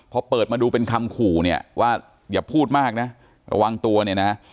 พอเปิดมาดูเป็นคำขู่เนี่ยว่าอย่าพูดมากนะระวังตัวเนี่ยนะ